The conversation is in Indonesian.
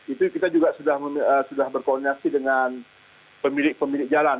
itu kita juga sudah berkoordinasi dengan pemilik pemilik jalan